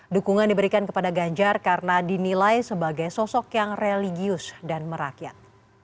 dukungan diberikan kepada ganjar karena dinilai sebagai sosok yang religius dan merakyat